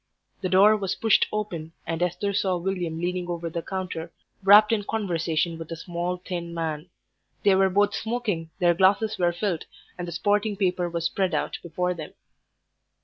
The door was pushed open, and Esther saw William leaning over the counter wrapped in conversation with a small, thin man. They were both smoking, their glasses were filled, and the sporting paper was spread out before them.